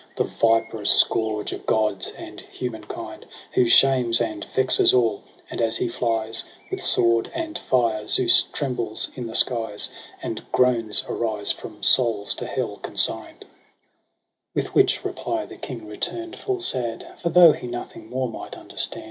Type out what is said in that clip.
The viperous scourge of gods and humankind; Who shames and vexes ally and as he flies With siuord and fire^ Zeus trembles in the skies, And groans arise from souls to hell consigj^d. 5)0 EROS & PSYCHE iz With which reply the King return'd full sad :■ For though he nothing more might understand.